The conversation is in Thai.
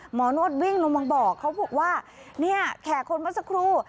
โน้ตวิ่งลงมาบอกเขาบอกว่าเนี่ยแขกคนเมื่อสักครู่